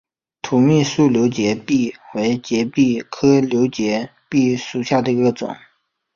土蜜树瘤节蜱为节蜱科瘤节蜱属下的一个种。